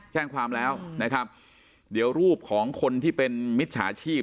แจ้งความแล้วนะครับเดี๋ยวรูปของคนที่เป็นมิจฉาชีพ